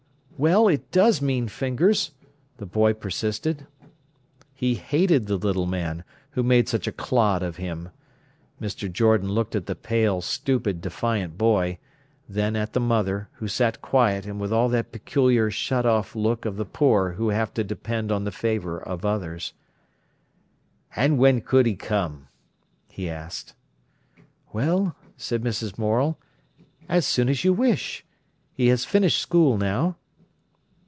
"Well, it does mean fingers," the boy persisted. He hated the little man, who made such a clod of him. Mr. Jordan looked at the pale, stupid, defiant boy, then at the mother, who sat quiet and with that peculiar shut off look of the poor who have to depend on the favour of others. "And when could he come?" he asked. "Well," said Mrs. Morel, "as soon as you wish. He has finished school now."